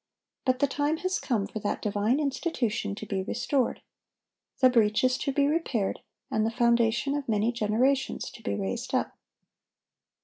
But the time has come for that divine institution to be restored. The breach is to be repaired, and the foundation of many generations to be raised up.